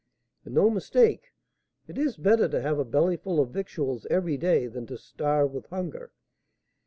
"And no mistake; it is better to have a bellyful of victuals every day than to starve with hunger.